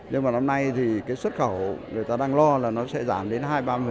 nhưng mà năm nay thì cái xuất khẩu người ta đang lo là nó sẽ giảm đến hai ba mươi